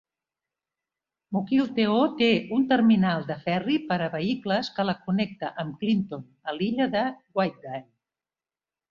Mukilteo té un terminal de ferri per a vehicles que la connecta amb Clinton, a l'illa de Whidbey.